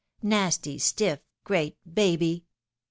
Nasty, stifif, great baby